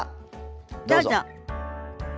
どうぞ。